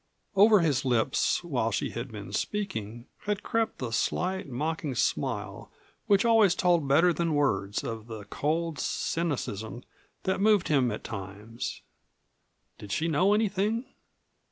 Over his lips while she had been speaking had crept the slight mocking smile which always told better than words of the cold cynicism that moved him at times. Did she know anything?